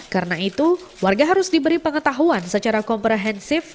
karena itu warga harus diberi pengetahuan secara komprehensif